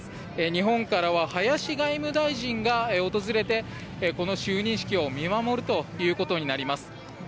日本からは林外務大臣が訪れてこの就任式を見守るということになります。